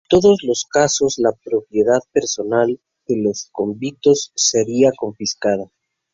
En todos los casos la propiedad personal de los convictos sería confiscada.